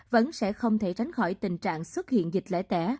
vẫn sẽ không thể tránh khỏi tình trạng xuất hiện dịch lễ tẻ